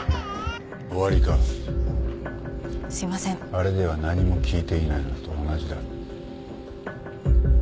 あれでは何も聞いていないのと同じだ。